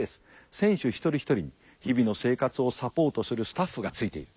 選手一人一人に日々の生活をサポートするスタッフがついている。